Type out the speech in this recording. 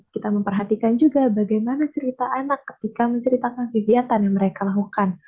kita memperhatikan juga bagaimana cerita anak ketika menceritakan kegiatan yang mereka lakukan